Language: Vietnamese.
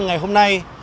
ngày hôm nay